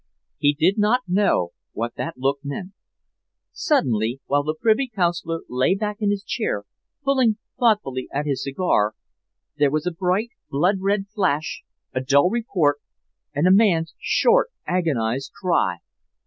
He did not know what that look meant. Suddenly, while the Privy Councillor lay back in his chair pulling thoughtfully at his cigar, there was a bright, blood red flash, a dull report, and a man's short agonized cry.